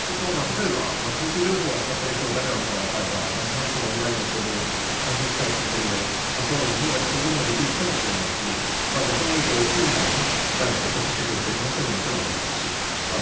例えば機密情報を扱っている人が誰なのか分かればその人のオンラインの行動を監視したりすることでパスワードを盗んだりすることもできるかもしれないし逆にフィジカルにスパイが接触してくる可能性ももちろんありますしあと